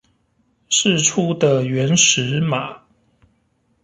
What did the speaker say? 釋出的原始碼